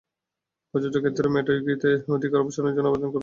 প্রযোজ্য ক্ষেত্রে মেটা উইকিতে অধিকার অপসারণের জন্য আবেদন করবেন।